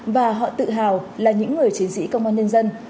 và họ tự hào là những người chiến sĩ công an nhân dân